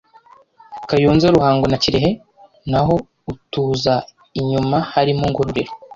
Kayonza Ruhango na Kirehe Naho utuza inyuma Harimo Ngororero